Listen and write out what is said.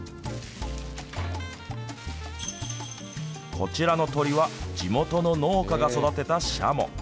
こちらの鶏は地元の農家が育てたしゃも。